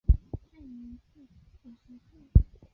卒年五十四。